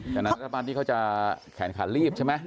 อย่างนั้นที่เขาจะแขนขาลลีบใช่ไหม